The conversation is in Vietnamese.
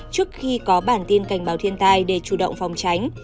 trước khi có bản tin cảnh báo thiên tai để chủ động phòng tránh